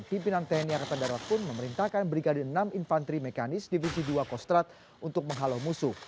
pimpinan tni angkatan darat pun memerintahkan brigadir enam infanteri mekanis divisi dua kostrat untuk menghalau musuh